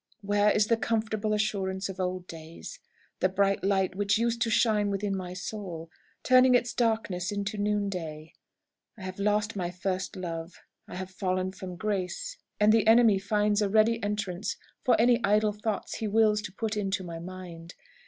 Where is the comfortable assurance of old days the bright light which used to shine within my soul, turning its darkness to noon day? I have lost my first love; I have fallen from grace; and the enemy finds a ready entrance for any idle thoughts he wills to put into my mind.